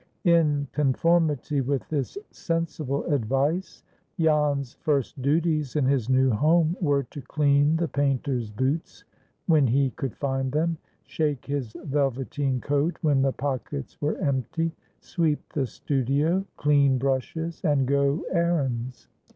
In conformity with this sensible advice, Jan's first duties in his new home were to clean the painter's boots when he could find them, shake his velveteen coat when the pockets were empty, sweep the studio, clean brushes, and go errands.